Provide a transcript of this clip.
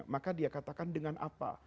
maka dia katakan dengan apa